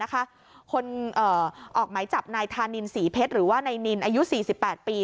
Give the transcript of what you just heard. คนออกหมายจับนายธานินศรีเพชรหรือว่านายนินอายุ๔๘ปี